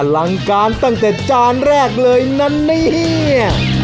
ลังการตั้งแต่จานแรกเลยนะเนี่ย